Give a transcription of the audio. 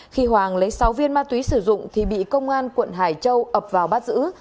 khi hoàng lấy sáu viên ma túy sử dụng thì bị công an quận hải châu ập vào bắt giữ